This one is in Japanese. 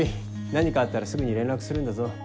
何かあったらすぐに連絡するんだぞ。